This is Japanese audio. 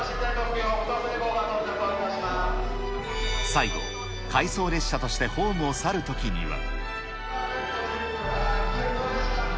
最後、回送列車としてホームを去るときには。